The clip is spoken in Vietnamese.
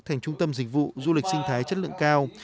thành trung tâm dịch vụ du lịch sinh thái chất lượng cao